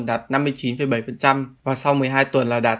đạt năm mươi chín bảy và sau một mươi hai tuần là đạt tám mươi